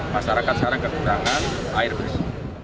masyarakat sekarang kekurangan air bersih